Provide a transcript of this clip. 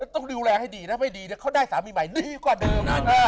ต้องดูแลให้ดีนะไม่ดีเดี๋ยวเขาได้สามีใหม่ดีกว่าเดิม